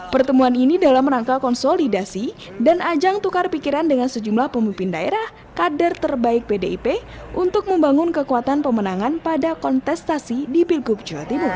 pertemuan ini dalam rangka konsolidasi dan ajang tukar pikiran dengan sejumlah pemimpin daerah kader terbaik pdip untuk membangun kekuatan pemenangan pada kontestasi di pilgub jawa timur